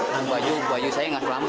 dan baju baju saya nggak selamat